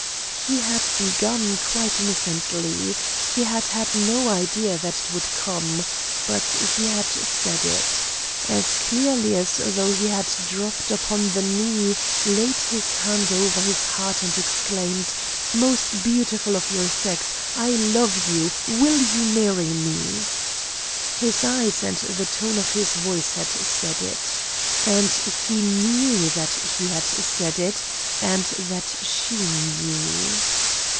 He had begun quite innocently; he had had no idea that it would come. But he had said it. As clearly as though he had dropped upon one knee, laid his hand over his heart and exclaimed: "Most beautiful of your sex, I love you! Will you marry me?" His eyes and the tone of his voice had said it. And he knew that he had said it, and that she knew.